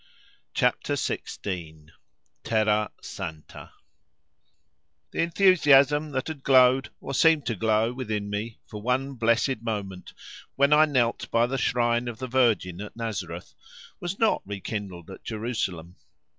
CHAPTER XVI—TERRA SANTA The enthusiasm that had glowed, or seemed to glow, within me for one blessed moment when I knelt by the shrine of the Virgin at Nazareth, was not rekindled at Jerusalem.